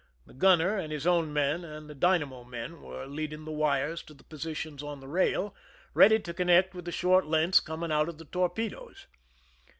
The gunner and his own men and the dynamo men were leading the wires to the positions on the rail, ready to connect with the short lengths coming out of the torpedoes.